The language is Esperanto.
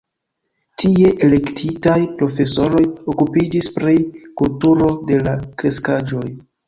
Tie elektitaj profesoroj okupiĝis pri kulturo de la kreskaĵoj.